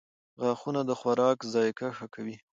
• غاښونه د خوراک ذایقه ښه کوي.